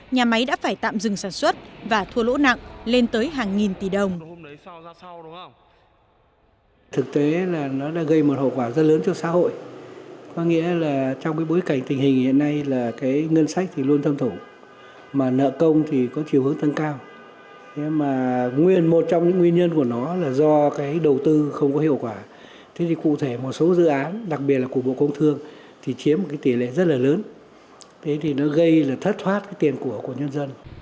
nhà máy đã phải tạm dừng sản xuất và thua lỗ nặng lên tới hàng nghìn tỷ đồng